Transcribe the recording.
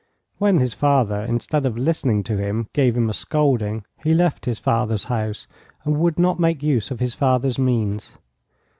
When his father, instead of listening to him, gave him a scolding, he left his father's house and would not make use of his father's means.